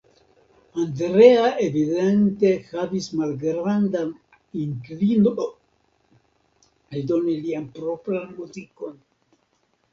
Andrea evidente havis malgrandan inklino eldoni lian propran muzikon.